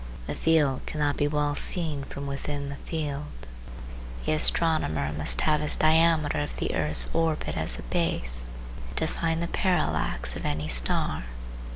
The field cannot be well seen from within the field. The astronomer must have his diameter of the earth's orbit as a base to find the parallax of any star.